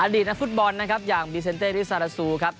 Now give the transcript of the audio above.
ดีตนักฟุตบอลนะครับอย่างบีเซนเต้ริซาราซูครับ